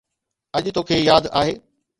اڄ توکي ياد آهي